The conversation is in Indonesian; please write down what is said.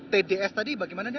tds tadi bagaimana dan